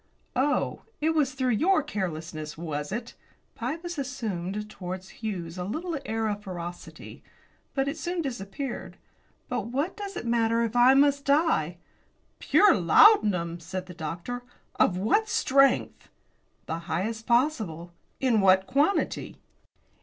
"Oh, it was through your carelessness, was it?" Pybus assumed towards Hughes a little air of ferocity. But it soon disappeared. "But what does it matter if I must die?" "Pure laudanum!" said the doctor. "Of what strength?" "The highest possible." "In what quantity?"